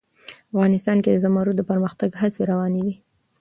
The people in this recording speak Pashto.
افغانستان کې د زمرد د پرمختګ هڅې روانې دي.